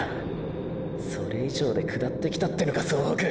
それ以上で下ってきたってのか総北！！